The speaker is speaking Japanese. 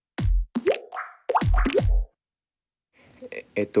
えっと